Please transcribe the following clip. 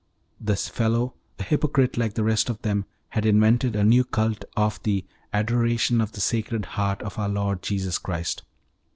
This fellow, a hypocrite like the rest of them, had invented a new cult of the "Adoration of the Sacred Heart of our Lord Jesus Christ."